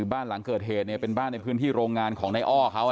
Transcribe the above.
บ้านหลังเกิดเหตุเนี่ยเป็นบ้านในพื้นที่โรงงานของนายอ้อเขา